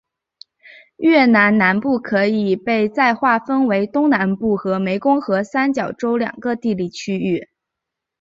越南南部可以被再划分为东南部和湄公河三角洲两个地理区域。